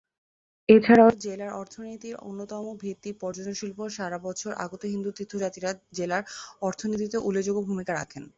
এছাড়াও জেলার অর্থনীতির অন্যতম ভিত্তি পর্যটন শিল্প, সারা বছর আগত হিন্দু তীর্থযাত্রীরা জেলার অর্থনীতিতে উল্লেখযোগ্য ভূমিকা রাখেন।